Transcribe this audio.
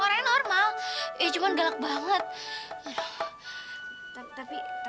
orang normal eh cuman galak banget tapi tapi aku kasihan banget sama dia prit